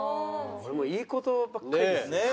これもいい事ばっかりですよ。